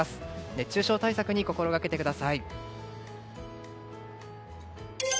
熱中症対策に心掛けてください。